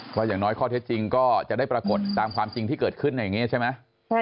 ก็อย่างน้อยข้อเท็จจริงก็จะได้ปรากฏตามความจริงที่เกิดขึ้นอย่างนี้ใช่ไหม